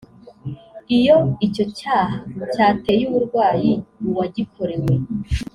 Iyo icyo cyaha cyateye uburwayi uwagikorewe